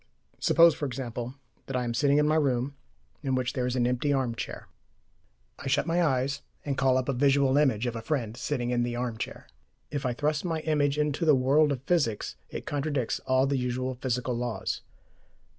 Suppose, for example, that I am sitting in my room, in which there is an empty arm chair. I shut my eyes, and call up a visual image of a friend sitting in the arm chair. If I thrust my image into the world of physics, it contradicts all the usual physical laws.